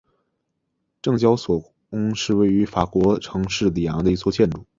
证交所宫是位于法国城市里昂的一座建筑。